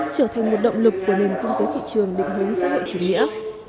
trở thành một động lực của nền kinh tế thị trường định hướng xã hội chủ nghĩa